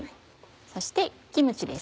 そしてキムチです。